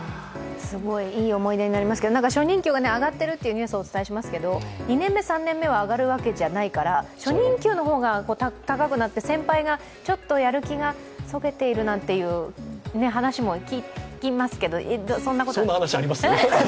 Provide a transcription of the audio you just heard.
いい思い出になりますけど初任給が上がってるってお伝えしますけど２年目、３年目は上がるわけじゃないから初任給の方が高くなって先輩がちょっとやる気がそげているという話も聞きますけど？